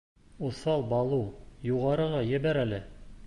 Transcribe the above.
Уҫал Балу, юғарыға ебәр әле.